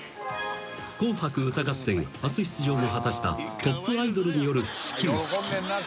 ［『紅白歌合戦』初出場を果たしたトップアイドルによる始球式］